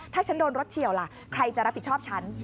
ถ้าฉันโดนรถเฉียวล่ะใครจะรับผิดชอบฉัน